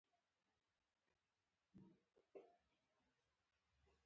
هلک د ذهن پر کوڅو راغلی